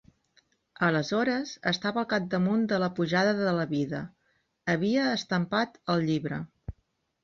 Aleshores estava al capdamunt de la pujada de la vida; havia estampat el llibre.